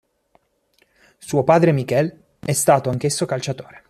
Suo padre Miquel è stato anch'esso calciatore.